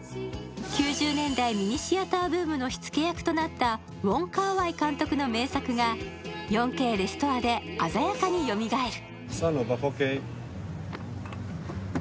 ９０年代ミニシアターブームの火付け役となったウォン・カーウァイ監督の名作が４Ｋレストアで鮮やかによみがえる。